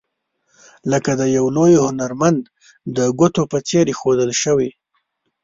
لکه د یو لوی هنرمند د ګوتو په څیر ایښودل شوي.